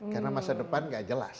karena masa depan gak jelas